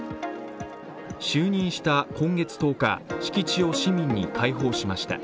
就任した今月１０日、敷地を市民に開放しました。